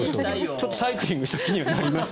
ちょっとサイクリングした気にはなりました。